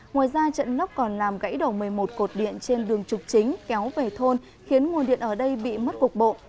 ngoài ra trận lốc còn làm gãy đổ một mươi một cột điện trên đường trục chính kéo về thôn khiến nguồn điện ở đây bị mất cục bộ